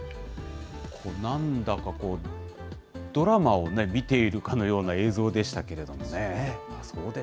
なんだかこう、ドラマを見ているかのような映像でしたけれどもね。